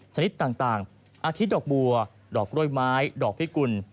ชนิดต่างอาทิตดอกบัวดอกกล้วยไม้ดอกพิกุล